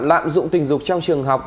lạm dụng tình dục trong trường học